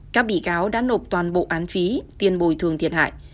các bị cáo đã nộp toàn bộ án phí tiền bồi thường thiệt hại